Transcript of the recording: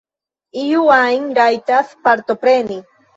Iu ajn rajtas partopreni.